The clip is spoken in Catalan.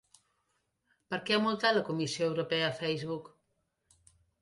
Per què ha multat la Comissió Europea a Facebook?